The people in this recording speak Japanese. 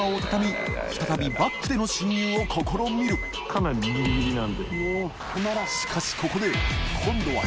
かなりギリギリなんで。